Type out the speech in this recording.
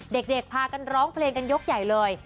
เด็กพากันร้องเพลงกันยกใหญ่เลย